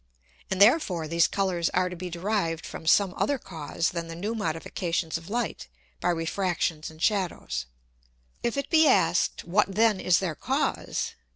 And therefore these Colours are to be derived from some other Cause than the new Modifications of Light by Refractions and Shadows. If it be asked, what then is their Cause?